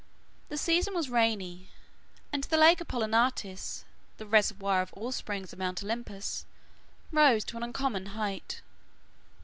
The season was rainy, and the Lake Apolloniates, the reservoir of all the springs of Mount Olympus, rose to an uncommon height.